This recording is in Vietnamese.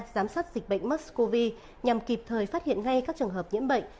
giám sát dịch bệnh mers cov nhằm kịp thời phát hiện ngay các trường hợp nhiễm bệnh